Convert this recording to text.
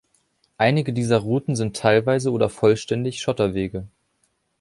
Einige dieser Routen sind teilweise oder vollständig Schotterwege.